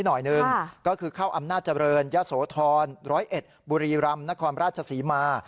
หน่อยหนึ่งก็คือเข้าอำนาจเจริญยะโสธร๑๐๑บุรีรำนครราชศรีมา